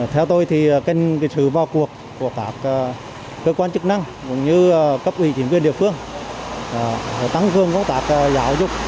theo tôi kênh xử vào cuộc của các cơ quan chức năng cũng như cấp ủy chính quyền địa phương tăng phương công tác giáo dục